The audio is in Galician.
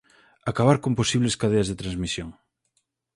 Acabar con posibles cadeas de transmisión.